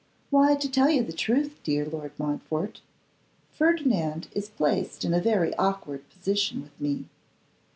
'Why, to tell you the truth, dear Lord Montfort, Ferdinand is placed in a very awkward position with me.